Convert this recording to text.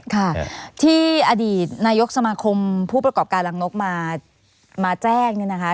ค่ะที่อดีตนายกสมาคมผู้ประกอบการรังนกมาแจ้งเนี่ยนะคะ